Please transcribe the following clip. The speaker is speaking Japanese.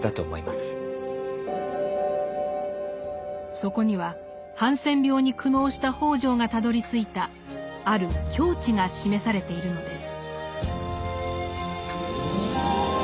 そこにはハンセン病に苦悩した北條がたどりついたある境地が示されているのです。